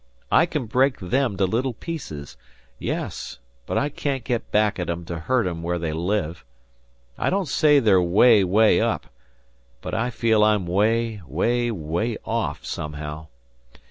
I can break them to little pieces yes but I can't get back at 'em to hurt 'em where they live. I don't say they're 'way 'way up, but I feel I'm 'way, 'way, 'way off, somehow.